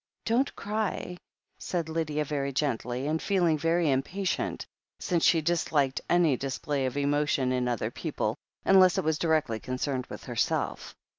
"Don't cry," said Lydia very gently, and feeling very impatient, since she disliked any display of emotion in other people — ^unless it was directly concerned with herself.